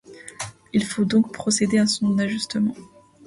Il faut donc procéder à son ajustement.